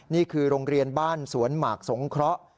นี่คือโรงเรียนบ้านสวนหมากสงเคราะห์